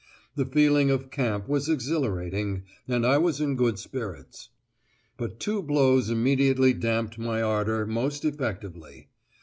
The feeling of camp was exhilarating, and I was in good spirits. But two blows immediately damped my ardour most effectively.